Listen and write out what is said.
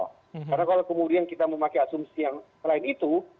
karena kalau kemudian kita memakai asumsi yang lain itu